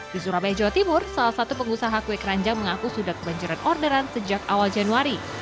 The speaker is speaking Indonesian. di surabaya jawa timur salah satu pengusaha kue keranjang mengaku sudah kebanjiran orderan sejak awal januari